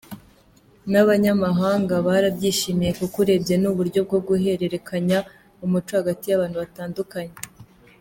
N’abanyamahanga barabyishimiye kuko urebye ni uburyo bwo guhererekanya umuco hagati y’abantu batandukanye.